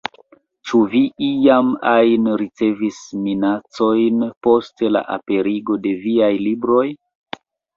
Ĉu vi iam ajn ricevis minacojn post la aperigo de viaj libroj?